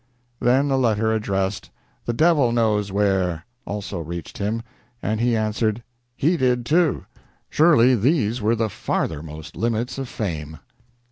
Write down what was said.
Then a letter addressed "The Devil Knows Where" also reached him, and he answered, "He did, too." Surely these were the farthermost limits of fame.